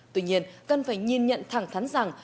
tuy nhiên cần phải nhìn nhận thẳng thắn rằng